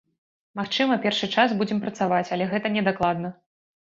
Магчыма, першы час будзем працаваць, але гэта не дакладна.